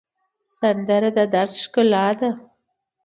سندره د دَرد ښکلا ده